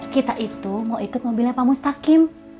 kita itu mau ikut mobilnya pak mustaqim